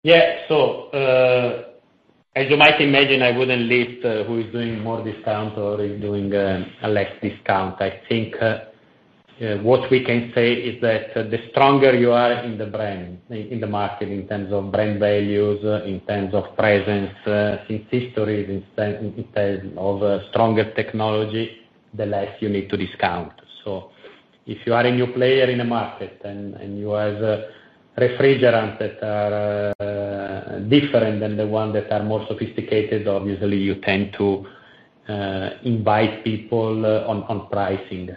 C: Yeah, so as you might imagine, I wouldn't list who is doing more discount or is doing a less discount. I think what we can say is that the stronger you are in the brand in the market, in terms of brand values, in terms of presence since history of stronger technology, the less you need to discount. So if you are a new player in the market and you have refrigerant that are different than the ones that are more sophisticated, obviously you tend to invite people on pricing.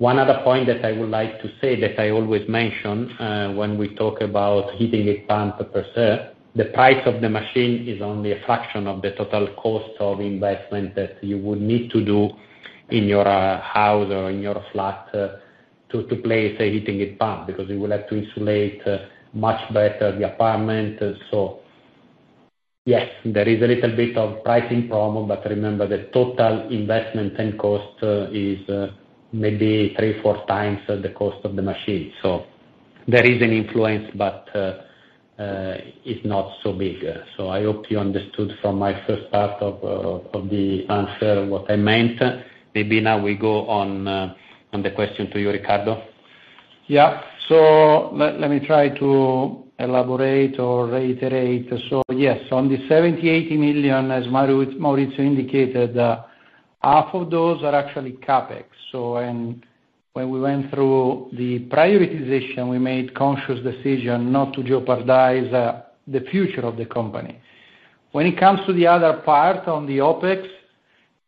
C: One other point that I would like to say that I always mention when we talk about heating, heat pump purchase, the price of the machine is only a fraction of the total cost of investment that you would need to do in your house or in your flat to place a heat pump because you will have to insulate much better the apartment. So yes, there is a little bit of pricing problem. But remember the total investment and cost is maybe 3-4x the cost of the machine. So there is an influence but it's not so big. So I hope you understood from my first part of the answer what I meant. Maybe now we go on the question to you, Riccardo.
D: Yeah, so let me try to elaborate or reiterate. So yes, on the 70-80 million, as Maurizio indicated, half of those are actually CapEx. So when we went through the prioritization, we made conscious decision not to jeopardize the future of the company. When it comes to the other part on the OpEx,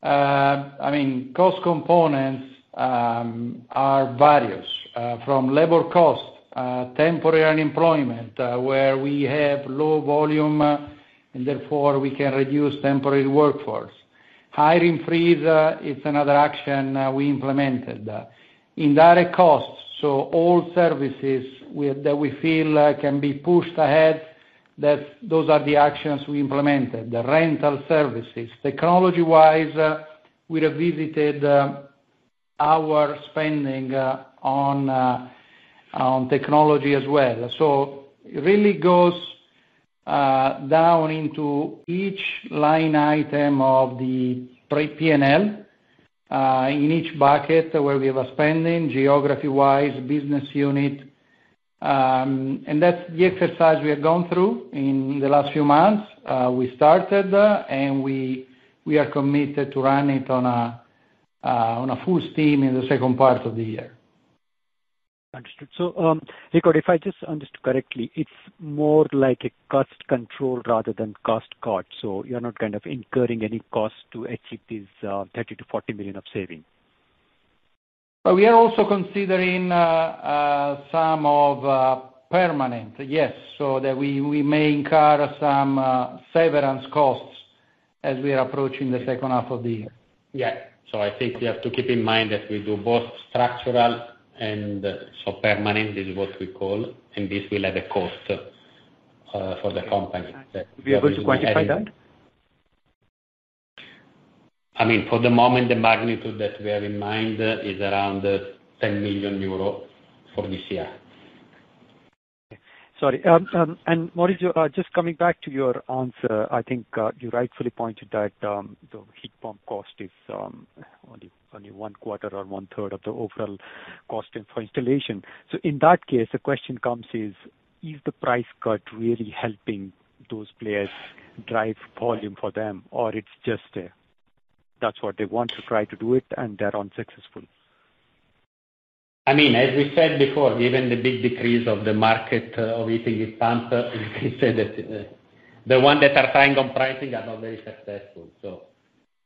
D: I mean cost components are various from labor cost, temporary unemployment where we have low volume and therefore we can reduce temporary workforce hiring freeze is another action. We implemented indirect costs. So all services that we feel can be pushed ahead, those are the actions we implemented the rental services technology wise. We revisited our spending on technology as well. So it really goes down into each line item of the P&L in each bucket where we have a spending geography wise business unit. That's the exercise we have gone through in the last few months. We started and we are committed to run it on a full steam in the second part of the year.
F: Understood. So Riccardo, if I just understood correctly, it's more like a cost control rather than cost cut. You're not kind of incurring any cost to achieve these 30 million-40 million of savings?
D: We are also considering some permanent. Yes. So that we may incur some severance costs as we are approaching the H2 of the year.
C: Yes. So I think you have to keep in mind that we do both structural and so permanent, this is what we call and this will have a cost for the company.
F: Are we able to quantify that?
C: I mean, for the moment, the magnitude that we have in mind is around 10 million euro for this year.
F: Sorry. And Maurizio, just coming back to your answer. I think you rightfully pointed that the heat pump cost is only 1/4 or 1/3 of the overall cost for installation. So in that case, the question comes is the price cut really helping those players drive volume for them or it's just that's what they want to try to do it and they're unsuccessful.
C: I mean, as we said before, given the big decrease of the market of heating heat pumps, they said that the ones that are trying on pricing are not very successful. So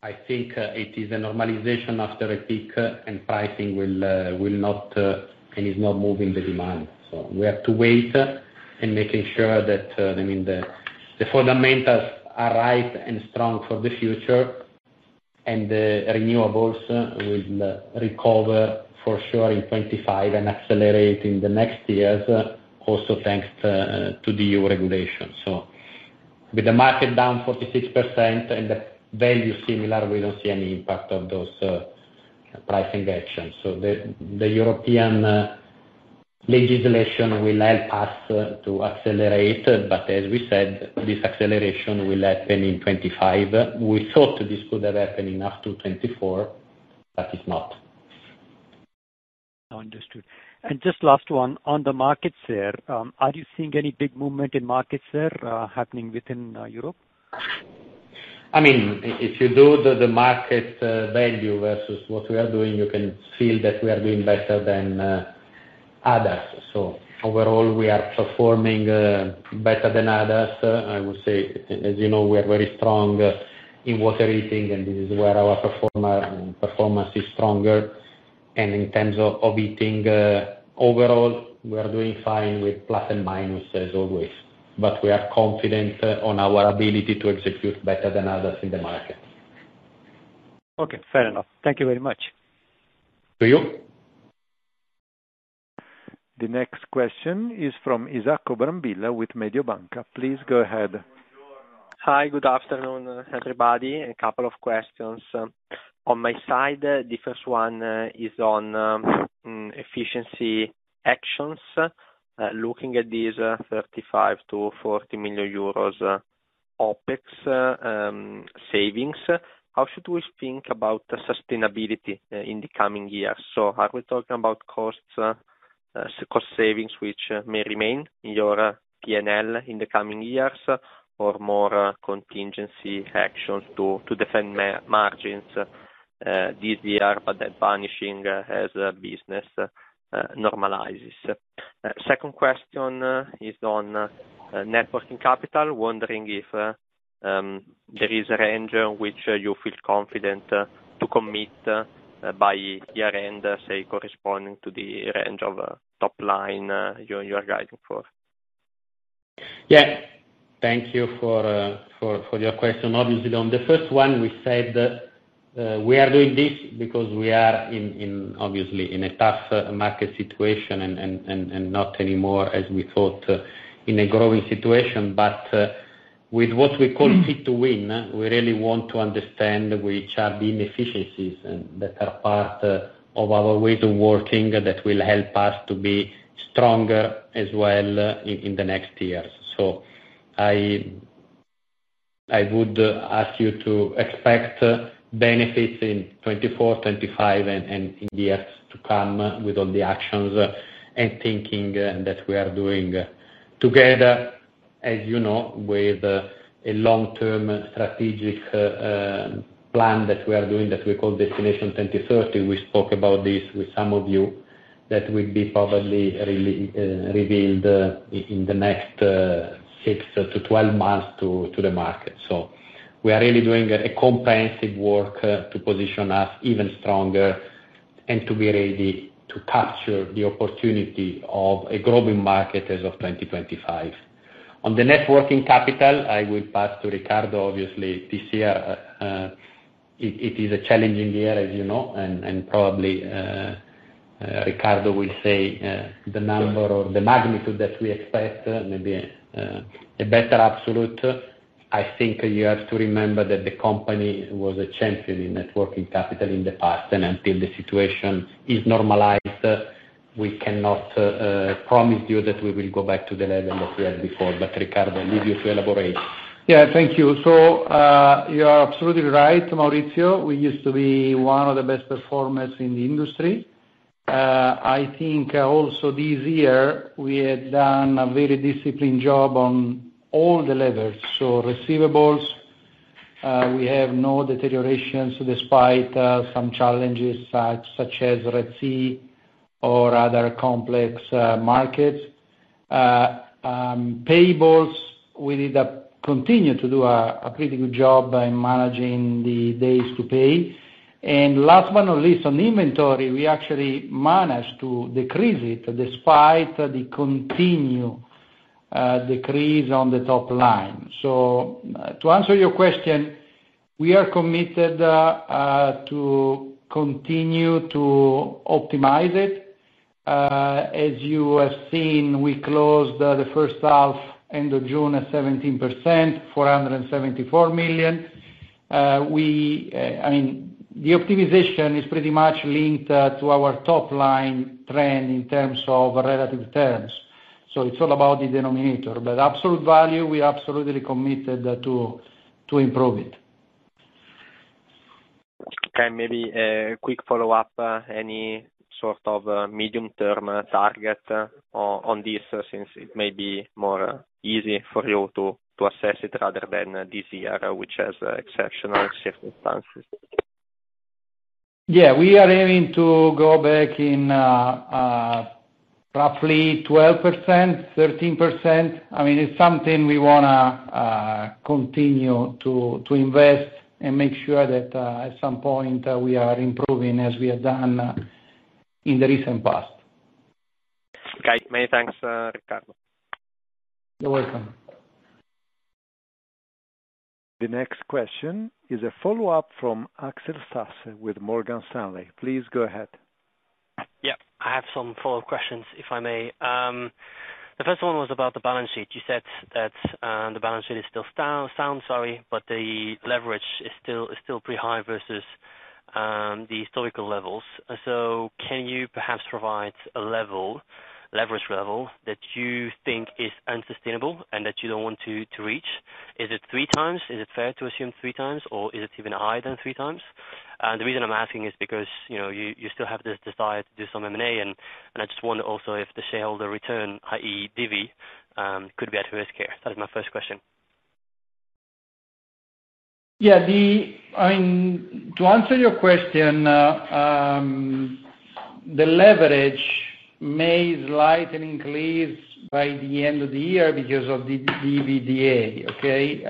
C: I think it is a normalization after a peak and pricing will not and is not moving the demand. So we have to wait and make sure that the fundamentals are right and strong for the future and the renewables will recover for sure in 2025 and accelerate in the next years also thanks to EU regulation. So with the market down 46% and the value similar, we don't see any impact of those pricing actions. So the European legislation will help us to accelerate. But as we said, this acceleration will happen in 2025. We thought this could have happened in up to 2024, but it's not.
F: Understood. Just last one, on the market share, are you seeing any big movement in market share happening within Europe?
C: I mean, if you do the market value versus what we are doing, you can feel that we are doing better than others. So overall we are performing better than others. I would say, as you know, we are very strong in Water Heating and this is where our performance is stronger. In terms of overall we are doing fine with plus and minus as always. But we are confident on our ability to execute better than others in the market.
F: Okay, fair enough. Thank you very much to you.
A: The next question is from Isacco Brambilla with Mediobanca. Please go ahead.
J: Hi, good afternoon everybody. A couple of questions on my side. The first one is on efficiency actions. Looking at these 35 million-40 million euros OpEx savings, how should we think about the sustainability in the coming years? So are we talking about cost savings which may remain in your PNL in the coming years or more contingency actions to defend margins this year, but that vanishing as business normalizes? Second question is on net working capital. Wondering if there is a range which you feel confident to commit by year-end, say, corresponding to the range of top line you are guiding for.
C: Yes, thank you for your question. Obviously on the first one we said we are doing this because we are obviously in a tough market situation and not anymore, as we thought, in a growing situation, but with what we call Fit-2-Win. We really want to understand which are the inefficiencies that are part of our way of working that will help us to be stronger as well in the next years. So, I would ask you to expect benefits in 2024, 2025 and in years to come with all the actions and thinking that we are doing together, as you know, with a long-term strategic plan that we are doing that we call Destination 2030. We spoke about this with some of you. That will be probably revealed in the next 6 to 12 months to the market. So we are really doing a comprehensive work to position us even stronger and to be ready to capture the opportunity of a growing market as of 2025 on the net working capital. I will pass to Riccardo, obviously this year. It is a challenging year, as you know. And probably Riccardo will say the number or the magnitude that we expect, maybe a better absolute. I think you have to remember that the company was a champion in working capital in the past. Until the situation is normalized, we cannot promise you that we will go back to the level that we had before. Riccardo.
D: Yeah, thank you. So you are absolutely right, Maurizio. We used to be one of the best performers in the industry. I think also this year we had done a very disciplined job on all the levers. So receivables. We have no deterioration. Despite some challenges, such as Red Sea or other complex markets, payables. We did continue to do a pretty good job by managing the days to pay. And last but not least, on inventory, we actually managed to decrease it despite the continued decrease on the top line. So to answer your question, we are committed to continue to optimize it. As you have seen, we closed the H1, end of June, at 17%, 474 million. We, I mean the optimization is pretty much linked to our top line trend in terms of relative terms. So it's all about the denominator but absolute value. We absolutely committed to improve it.
J: Maybe a quick follow up, any sort of medium term target on this since it may be more easy for you to assess it rather than this year which has exceptional circumstances?
D: Yeah, we are aiming to go back in roughly 12%, 13%. I mean it's something we want to continue to invest and make sure that at some point we are improving as we have done in the recent past.
J: Okay, many thanks, Riccardo.
D: You're welcome.
A: The next question is a follow up from Axel Stasse with Morgan Stanley. Please go ahead.
G: Yeah, I have some follow up questions, if I may. The first one was about the balance sheet. You said that the balance sheet is still sound. Sorry, but the leverage is still pretty high versus the historical levels. So can you perhaps provide a leverage level that you think is unsustainable and that you don't want to reach? Is it three times, is it fair to assume three times or is it even higher than 3x? The reason I'm asking is because you still have this desire to do some M&A and I just wonder also if the shareholder return, that is divi, could. Be at risk here. That is my first question.
D: Yes, to answer your question, the leverage may slightly increase by the end of the year because of the EBITDA. Okay.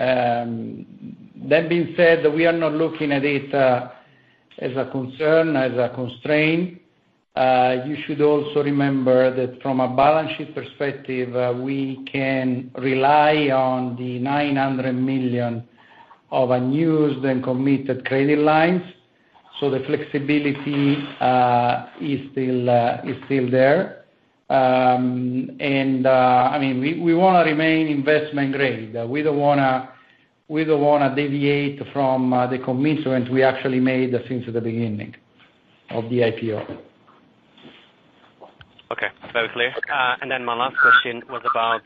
D: That being said, we are not looking at it as a concern, as a constraint. You should also remember that from a balance sheet perspective, we can rely on the 900 million unused and committed credit lines. So the flexibility is still there. And I mean we want to remain investment grade. We don't want to deviate from the commitment we actually made since the beginning of the IPO.
G: Okay, very clear. Then my last question was about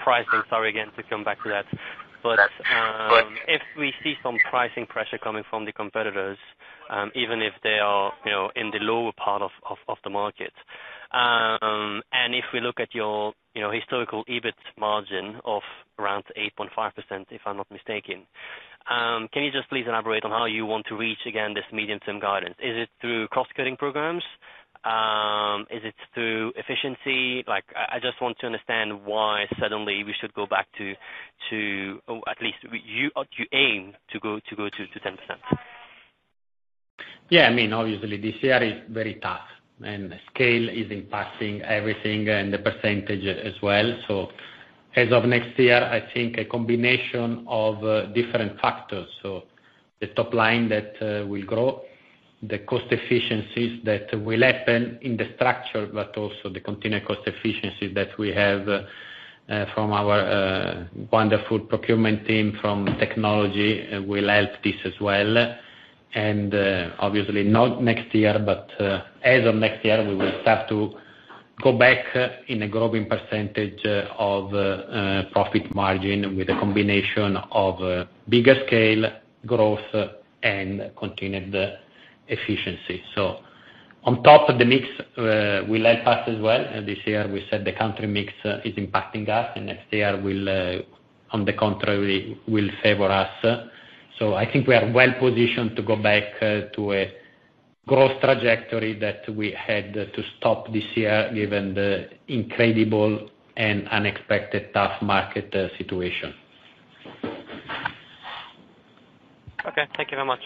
G: pricing. Sorry again to come back to that. But if we see some pricing pressure coming from the competitors, even if they are in the lower part of the market, and if we look at your historical EBIT margin of around 8.5%, if I'm not mistaken. Can you just please elaborate on how you want to reach again this medium-term guidance? Is it through cost-cutting programs? Is it through efficiency? I just want to understand why suddenly we should go back to. At least you aim to go to 10%.
C: Yeah, I mean obviously this year is very tough and scale is impacting everything and the percentage as well. So as of next year, I think a combination of different factors. So the top line that will grow the cost efficiencies that will happen in the structure but also the continuing cost efficiency that we have from our wonderful procurement team from technology will help this as well and obviously not next year but as of next year we will start to go back in a growing percentage of profit margin with a combination of bigger scale growth and continued efficiency. So on top of the mix will help us as well. This year we set the country mixed impacting us and next year will on the contrary will favor us. I think we are well positioned to go back to a growth trajectory that we had to stop this year given the incredible and unexpected tough market situation.
G: Okay, thank you very much.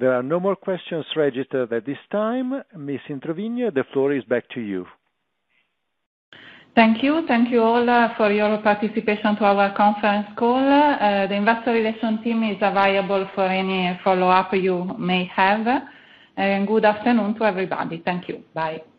A: There are no more questions registered at this time. Ms. Introvigne, the floor is back to you.
B: Thank you. Thank you all for your participation to our conference call. The investor relations team is available for any follow-up you may have and good afternoon to everybody. Thank you. Bye.